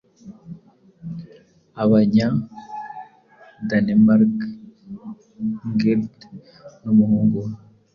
Abanya DanemarkIngeldnumuhungu we